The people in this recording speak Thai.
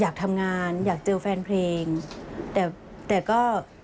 อยากทำงานอยากเจอแฟนเพลงแต่แต่ก็